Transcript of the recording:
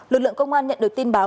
lực lượng công an nhận được tin báo